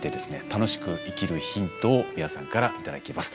楽しく生きるヒントを美輪さんから頂きます。